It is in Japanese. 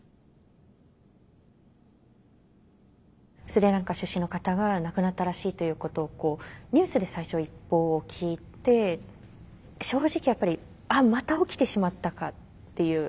スリランカ出身の方が亡くなったらしいということをニュースで最初一報を聞いて正直やっぱり「あっまた起きてしまったか」っていう